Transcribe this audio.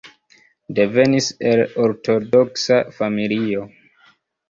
Devenis el ortodoksa familio.